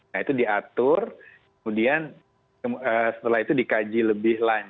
nah itu diatur kemudian setelah itu dikaji lebih lanjut